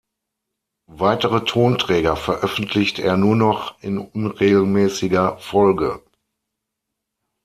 Weitere Tonträger veröffentlicht er nur noch in unregelmäßiger Folge.